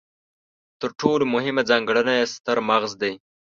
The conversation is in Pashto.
تر ټولو مهمه ځانګړنه یې ستر مغز دی.